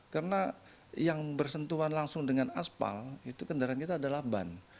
karena yang bersentuhan langsung dengan asfal itu kendaraan kita adalah ban